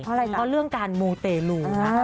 เพราะเรื่องการมูเตรลุ